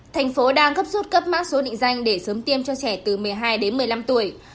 thành phố đang cấp rút cấp mã số định danh để sớm tiêm cho trẻ từ một mươi hai đến một mươi năm tuổi